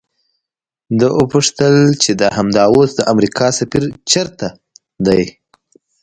ده وپوښتل چې همدا اوس د امریکا سفیر چیرته دی؟